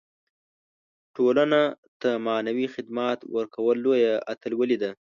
ټولنو ته معنوي خدمات ورکول لویه اتلولي ده.